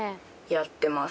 やってます。